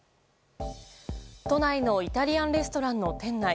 都内のイタリアンレストランの店内。